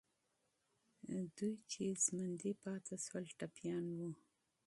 دوی چې ژوندي پاتې سول، ټپیان وو.